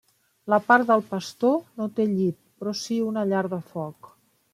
La part del pastor no té llit, però sí una llar de foc.